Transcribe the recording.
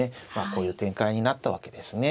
こういう展開になったわけですね。